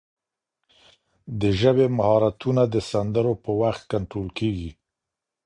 د ژبې مهارتونه د سندرو په وخت کنټرول کېږي.